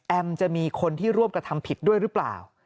จะมีคนที่ร่วมกระทำผิดด้วยหรือเปล่า